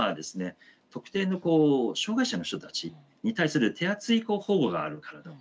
特定の障害者の人たちに対する手厚い保護があるからだと。